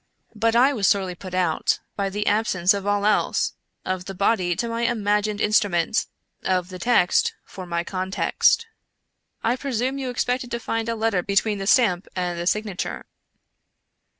But I was sorely put out by the absence of all else — of the body to my imagined instru ment — of the text for my context." " I presume you expected to find a letter between the stamp and the signature."